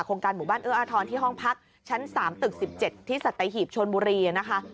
การหมู่บ้านเอื้ออาทรที่ห้องพักชั้น๓ตึก๑๗ที่สัตหีบชนบุรีนะคะ